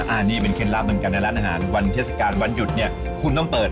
อันนี้เป็นเคล็ดลับเหมือนกันในร้านอาหารวันเทศกาลวันหยุดเนี่ยคุณต้องเปิด